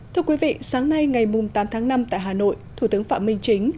thưa quý vị sáng nay ngày tám tháng năm tại hà nội thủ tướng phạm minh chính